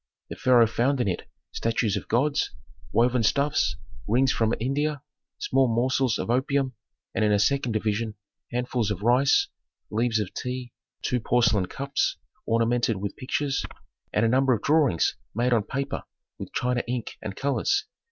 The pharaoh found in it statues of gods, woven stuffs, rings from India, small morsels of opium, and in a second division handfuls of rice, leaves of tea, two porcelain cups ornamented with pictures, and a number of drawings made on paper with China ink and colors.